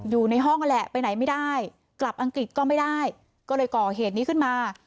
อยู่ในห้องนั่นแหละไปไหนไม่ได้กลับอังกฤษก็ไม่ได้ก็เลยก่อเหตุนี้ขึ้นมา